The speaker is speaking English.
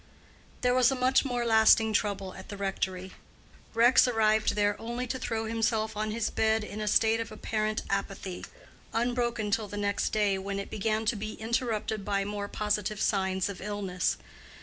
There was a much more lasting trouble at the rectory. Rex arrived there only to throw himself on his bed in a state of apparent apathy, unbroken till the next day, when it began to be interrupted by more positive signs of illness.